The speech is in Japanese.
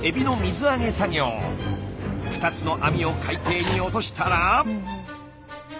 ２つの網を海底に落としたら。